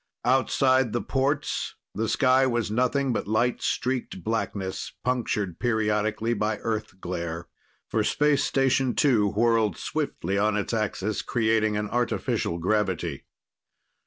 Outside the ports, the sky was nothing but light streaked blackness, punctured periodically by Earth glare, for Space Station 2 whirled swiftly on its axis, creating an artificial gravity.